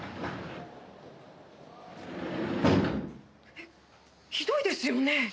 えっひどいですよね？